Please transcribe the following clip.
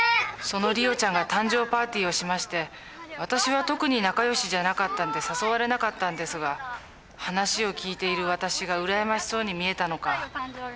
そのりおちゃんが誕生パーティーをしまして私は特に仲良しじゃなかったんで誘われなかったんですが話を聞いている私が羨ましそうに見えたのか。